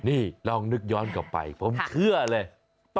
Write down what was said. นี่ลองนึกย้อนกลับไปผมเชื่อเลย